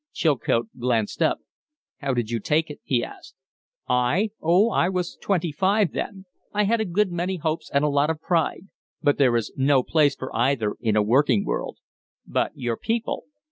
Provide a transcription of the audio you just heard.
Chilcote glanced up. "How did you take it?" he asked. "I? Oh, I was twenty five then. I had a good many hopes and a lot of pride; but there is no place for either in a working world." "But your people?"